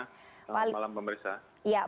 selamat malam pemerintah